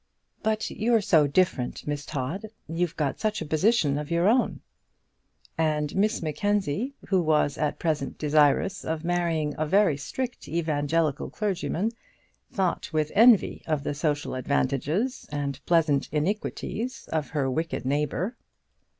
"But you're so different, Miss Todd; you've got such a position of your own." And Miss Mackenzie, who was at present desirous of marrying a very strict evangelical clergyman, thought with envy of the social advantages and pleasant iniquities of her wicked neighbour.